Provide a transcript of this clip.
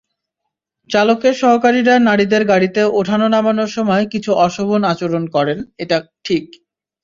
চালকের সহকারীরা নারীদের গাড়িতে ওঠানো-নামানোর সময় কিছু অশোভন আচরণ করেন, এটা ঠিক।